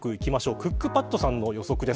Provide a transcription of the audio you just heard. クックパッドさんの予測です。